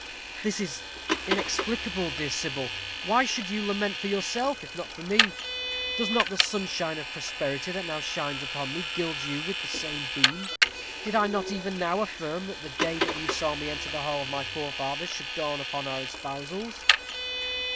"This is inexplicable, dear Sybil. Why should you lament for yourself, if not for me? Does not the sunshine of prosperity that now shines upon me gild you with the same beam? Did I not even now affirm that the day that saw me enter the hall of my forefathers should dawn upon our espousals?"